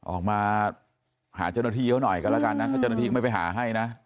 ออกมาหาเจ้าหน้าที่เขาหน่อยกันแล้วกันนะถ้าเจ้าหน้าที่ไม่ไปหาให้นะ